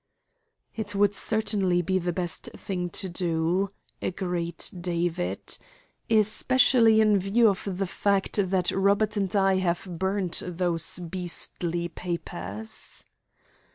"It would certainly be the best thing to do," agreed David, "especially in view of the fact that Robert and I have burnt those beastly papers."